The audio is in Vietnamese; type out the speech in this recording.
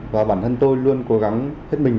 và bản thân tôi luôn cố gắng hết mình